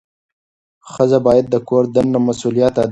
ښځه باید د کور دننه مسؤلیت ادا کړي.